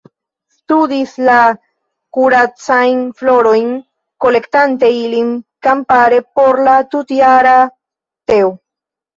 Studis la kuracajn florojn, kolektante ilin kampare por la tutjara teo.